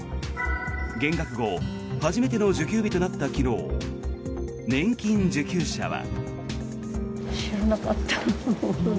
減額後、初めての受給日となった昨日年金受給者は。